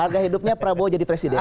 harga hidupnya prabowo jadi presiden